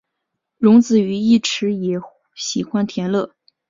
荣子与义持也喜欢田乐。